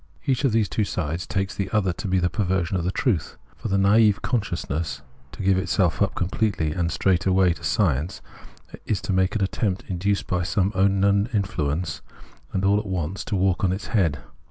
Each of these two sides takes the other to be the perversion of the truth. For the naive con sciousness to give itself up completely and straight away to science is to make an attempt, induced by some unkno wm influence, all at once to walk on its head.